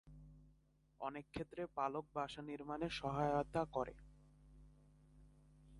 অনেকক্ষেত্রে পালক বাসা নির্মাণে সহায়তা করে।